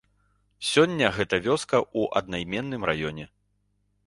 Сёння гэта вёска ў аднайменным раёне.